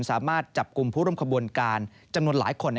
สามารถจับกลุ่มผู้ร่วมขบวนการจำนวนหลายคน